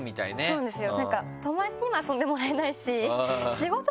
そうなんですよ。